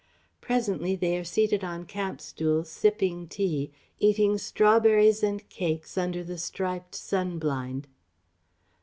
Presently they are seated on camp stools sipping tea, eating strawberries and cakes, under the striped sun blind.